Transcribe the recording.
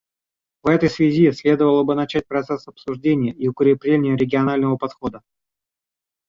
В этой связи следовало бы начать процесс обсуждения и укрепления регионального подхода.